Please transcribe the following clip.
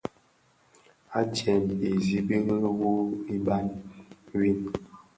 Adyèn i nzibiri wu iban win,